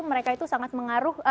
mereka itu sangat mengaruh